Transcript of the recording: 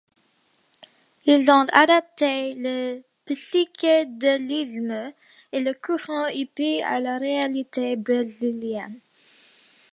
Ils ont adapté le psychédélisme et le courant hippie à la réalité brésilienne.